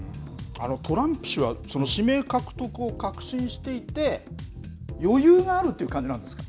トランプ氏は、その指名獲得を確信していて、余裕があるっていう感じなんですか。